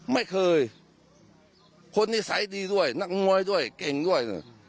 ไม่เคยคนนิสัยดีด้วยนักมวยด้วยเก่งด้วย